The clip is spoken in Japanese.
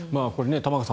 玉川さん